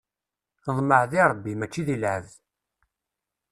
Ḍmeɛ di Ṛebbi, mačči di lɛebd!